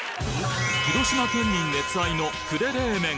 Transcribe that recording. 広島県民熱愛の呉冷麺。